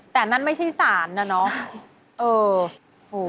แต่นั่นไม่ใช่ศาลแล้วเนอะ